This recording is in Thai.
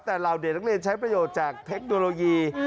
แต่เหล่าเด็กนักเรียนใช้ประโยชน์จากเทคโนโลยี